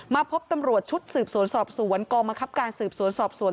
พบตำรวจชุดสืบสวนสอบสวนกองมะครับการสืบสวนสอบสวน